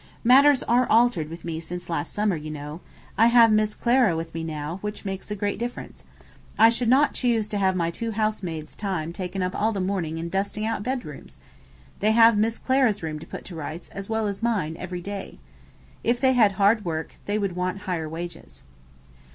Matters are altered with me since last summer, you know: I have Miss Clara with me now, which makes a great difference. I should not choose to have my two housemaid's time taken up all the morning in dusting out bedrooms. They have Miss Clara's room to put to rights, as well as mine, every day. If they had hard work, they would want higher wages.'